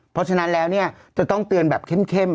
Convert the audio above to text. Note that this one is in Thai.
เพราะฉะนั้นแล้วเนี่ยจะต้องเตือนแบบเข้ม